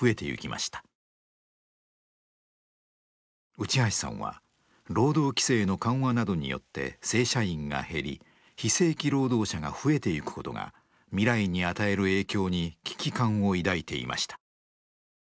内橋さんは労働規制の緩和などによって正社員が減り非正規労働者が増えていくことが未来に与える影響に危機感を抱いていました。